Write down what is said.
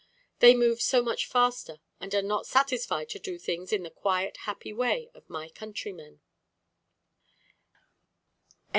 They move so much faster, and are not satisfied to do things in the quiet, happy way of my countrymen."